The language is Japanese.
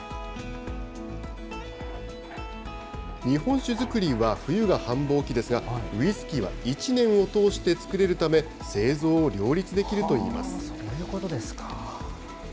日本酒造りは冬が繁忙期ですが、ウイスキーは１年を通して造れるため、製造を両立できるといいます。